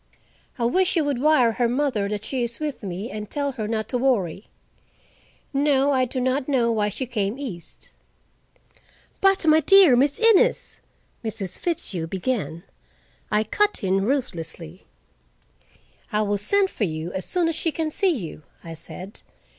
I wish you would wire her mother that she is with me, and tell her not to worry. No, I do not know why she came east." "But my dear Miss Innes!" Mrs. Fitzhugh began. I cut in ruthlessly. "I will send for you as soon as she can see you," I said.